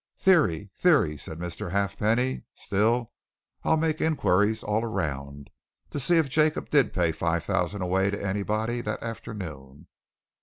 "Theory theory!" said Mr. Halfpenny. "Still, I'll make inquiries all around, to see if Jacob did pay five thousand away to anybody that afternoon.